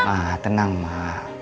ma tenang ma